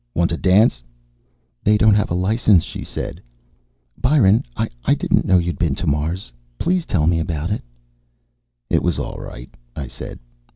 "Want to dance?" "They don't have a license," she said. "Byron, I didn't know you'd been to Mars! Please tell me about it." "It was all right," I said.